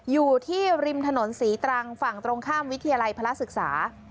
อยู่ที่ริมถนนศรีตรังฝั่งตรงข้ามวิทยาลัยพระศึกษา